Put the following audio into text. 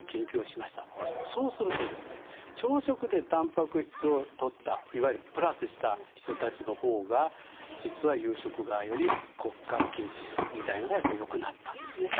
そうするとですね朝食でたんぱく質をとったいわゆるプラスした人たちの方が実は夕食がより骨格筋指数みたいなのがやっぱりよくなったんですね。